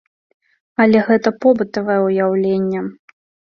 Але гэта побытавае ўяўленне.